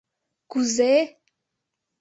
— Кузе-э?